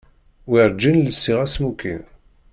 Werǧin lsiɣ asmukin.